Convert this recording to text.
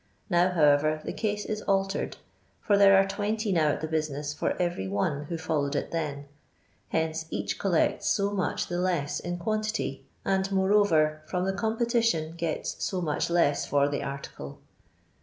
Now, however, the case is altered, for there are twenty now at the business for every one who (oWowtd, it then ; hence each collects ■0 much the less in quantity, and, moreover, from the competition gets so much less for the article.